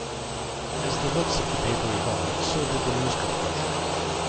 As the looks of the paper evolved, so did the news coverage.